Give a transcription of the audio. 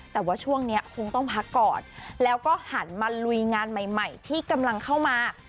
แต่ว่าช่วงนี้คงต้องพักก่อนแล้วก็หันมาลุยงานใหม่ที่กำลังเข้ามา